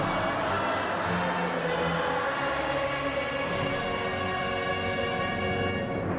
พระนึงจะให้เสียงทุกคนดังไปถึงภาพประวัติศาสตร์แทนความจงรักพักดีอีกครั้ง